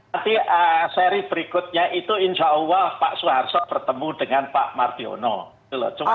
jadi seri berikutnya itu insya allah pak soeharsol bertemu dengan pak mardiono